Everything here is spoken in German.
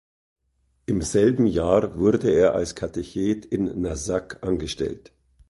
Im selben Jahr wurde er als Katechet in Narsaq angestellt.